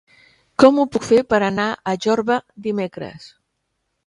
Com ho puc fer per anar a Jorba dimecres?